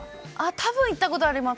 たぶん、行ったことあります。